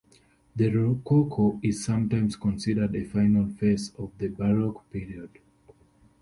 The Rococo is sometimes considered a final phase of the Baroque period.